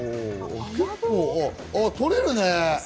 取れるね。